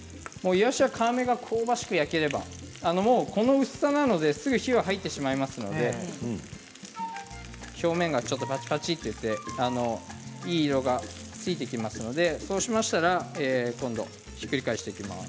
いわしは皮目が香ばしく焼ければこの薄さなので、すぐに火が入ってしまいますので表面がちょっとパチパチといい色がついてきていますのでそうしましたら今度ひっくり返していきます。